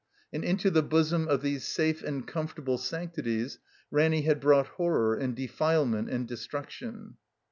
And into the bosom of these safe and comfortable sanctities Ranny had brought horror and defilement and destruction.